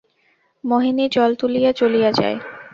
মোহিনী জল তুলিয়া চলিয়া যায়।